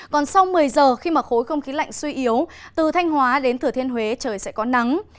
còn sau một mươi giờ khi mà khối không khí lạnh suy yếu từ thanh hóa đến thừa thiên huế trời sẽ có nắng